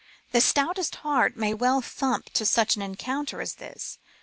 The stoutest heart might well thump to such an encounter as this.